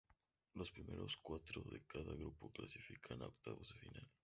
Los primeros cuatro de cada grupo clasifican a Octavos de Final.